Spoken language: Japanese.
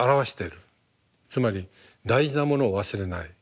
つまり大事なものを忘れない。